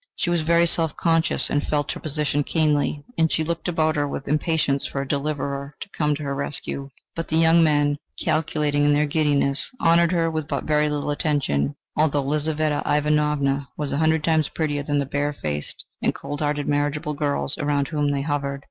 She was very self conscious, and felt her position keenly, and she looked about her with impatience for a deliverer to come to her rescue; but the young men, calculating in their giddiness, honoured her with but very little attention, although Lizaveta Ivanovna was a hundred times prettier than the bare faced and cold hearted marriageable girls around whom they hovered.